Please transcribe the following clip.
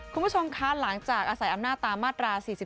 คุณผู้ชมคะหลังจากอาศัยอำนาจตามมาตรา๔๔